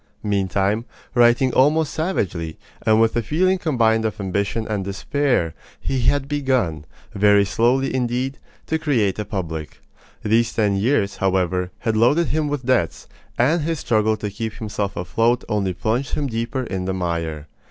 Meantime, writing almost savagely, and with a feeling combined of ambition and despair, he had begun, very slowly indeed, to create a public. These ten years, however, had loaded him with debts; and his struggle to keep himself afloat only plunged him deeper in the mire.